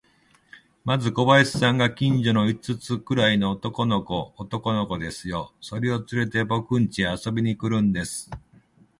まず小林さんが、近所の五つくらいの男の子を、男の子ですよ、それをつれて、ぼくんちへ遊びに来るんです。